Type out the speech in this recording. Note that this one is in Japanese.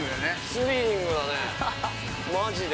スリリングだね、マジで。